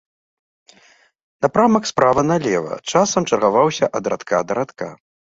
Напрамак справа налева, часам чаргаваўся ад радка да радка.